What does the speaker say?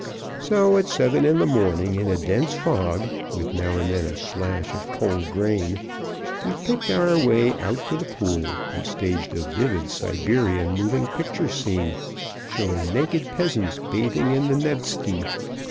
So, at seven in the morning, in a dense fog (with now and then a slash of cold rain), we picked our way out to the pool and staged a vivid Siberian moving picture scene, showing naked peasants bathing in the Nevsky.